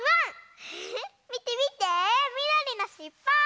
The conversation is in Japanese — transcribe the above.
みてみてみどりのしっぽ！